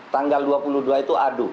tanggal dua puluh dua itu adu